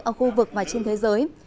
ở khu vực và trên thế giới